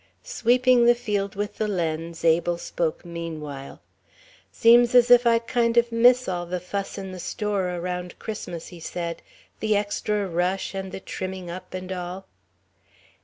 Sweeping the field with the lens, Abel spoke meanwhile. "Seems as if I'd kind of miss all the fuss in the store around Christmas," he said, "the extra rush and the trimming up and all."